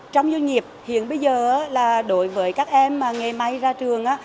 trong doanh nghiệp hiện bây giờ là đổi với các em nghề máy ra trường